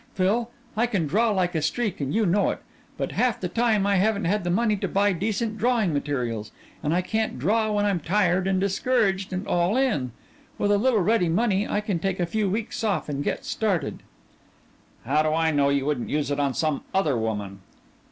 Phil, I can draw like a streak, and you know it. But half the time I haven't had the money to buy decent drawing materials and I can't draw when I'm tired and discouraged and all in. With a little ready money I can take a few weeks off and get started." "How do I know you wouldn't use it on some other woman?"